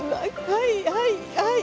はいはいはい。